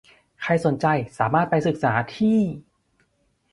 ใครสนใจสามารถไปศึกษาที่